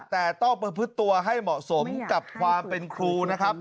แต่ต้องประพฤติตัวให้เหมาะสมกับความเป็นครูนะครับ